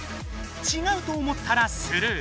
「ちがう」と思ったらスルー。